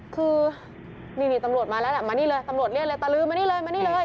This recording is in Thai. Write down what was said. คือนี่ตำรวจมาแล้วแหละมานี่เลยตำรวจเรียกเลยตะลือมานี่เลยมานี่เลย